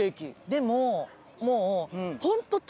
でももう。